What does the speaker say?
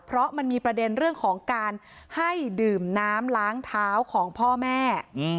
เพราะมันมีประเด็นเรื่องของการให้ดื่มน้ำล้างเท้าของพ่อแม่